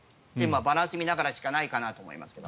バランスを見ながらしかないかなと思いますが。